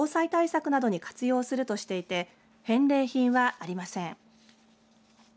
それに今後の防災対策などに活用するとしていて返礼品はありません。